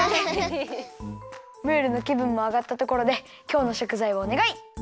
ムールのきぶんもあがったところできょうのしょくざいをおねがい！